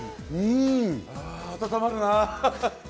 温まるな。